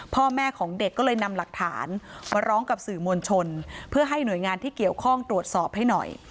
พ่อแม่ของเด็กก็เลยนำหลักฐานมาร้องกับสื่อมวลชนเพื่อให้หน่วยงานที่เกี่ยวข้องตรวจสอบให้หน่อย